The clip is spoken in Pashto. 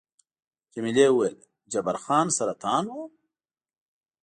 جميلې وويل:، جبار خان سرطان وو؟